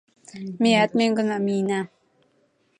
Меат мӧҥгына миена.